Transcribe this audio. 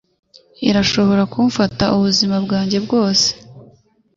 irashobora kumfata ubuzima bwanjye bwose